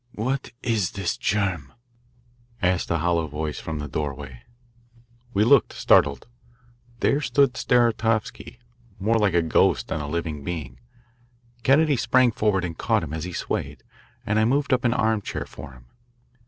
"What is this germ?" asked a hollow voice from the doorway. We looked, startled. There stood Saratovsky, more like a ghost than a living being. Kennedy sprang forward and caught him as he swayed, and I moved up an armchair for him.